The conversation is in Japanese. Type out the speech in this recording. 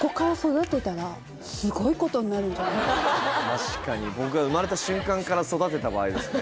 確かに僕が生まれた瞬間から育てた場合ですね